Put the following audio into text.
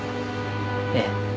ええ。